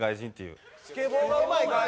うまいわ。